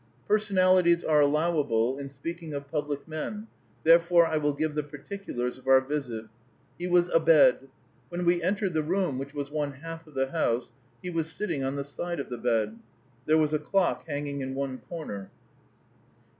Personalities are allowable in speaking of public men, therefore I will give the particulars of our visit. He was abed. When we entered the room, which was one half of the house, he was sitting on the side of the bed. There was a clock hanging in one corner.